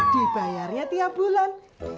dibayarnya tiap bulan